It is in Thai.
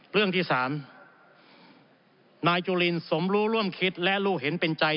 เรื่องที่สามนายจุลินสมรู้ร่วมคิดและรู้เห็นเป็นใจ